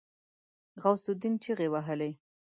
غوث الدين چيغې وهلې.